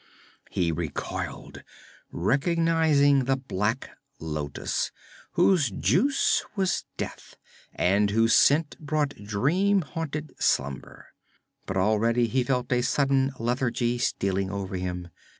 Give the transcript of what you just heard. He recoiled, recognizing the black lotus, whose juice was death, and whose scent brought dream haunted slumber. But already he felt a subtle lethargy stealing over him.